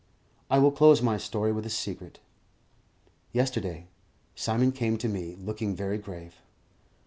I will close my story with a secret. Yesterday, Simon came to me, looking very grave.